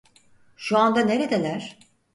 Şu anda neredeler?